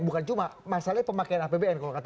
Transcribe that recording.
bukan cuma masalahnya pemakaian apbn